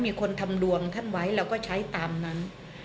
มีคนทำดวงท่านไว้เราก็ใช้ตามนั้น